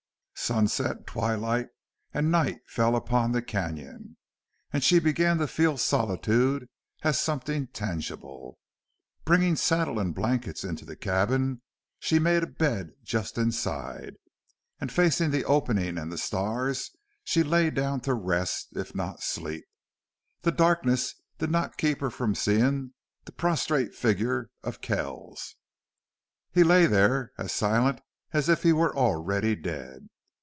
Sunset, twilight, and night fell upon the canon. And she began to feel solitude as something tangible. Bringing saddle and blankets into the cabin, she made a bed just inside, and, facing the opening and the stars, she lay down to rest, if not to sleep. The darkness did not keep her from seeing the prostrate figure of Kells. He lay there as silent as if he were already dead.